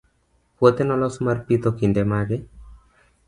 puothe nolos mar pitho kinde mage?